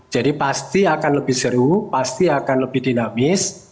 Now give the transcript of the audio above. jadi pasti akan lebih seru pasti akan lebih dinamis